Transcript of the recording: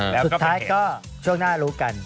แล้วสุดท้ายก็ช่วงหน้ารู้กัน